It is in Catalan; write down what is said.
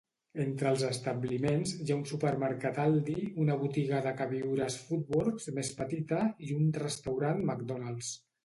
Entre els establiments hi ha un supermercat Aldi, una botiga de queviures Foodworks més petita i un restaurant McDonald's.